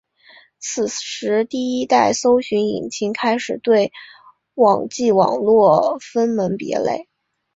此时第一代搜寻引擎开始对网际网路分门别类。